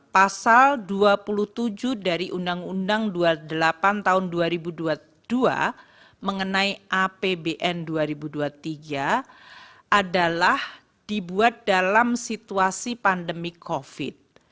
pasal dua puluh tujuh dari undang undang dua puluh delapan tahun dua ribu dua puluh dua mengenai apbn dua ribu dua puluh tiga adalah dibuat dalam situasi pandemi covid